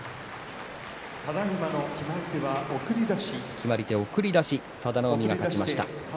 決まり手は送り出しで佐田の海が勝ちました。